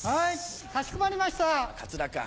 かしこまりました。